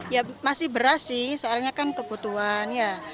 ya masih beras sih soalnya kan kebutuhan ya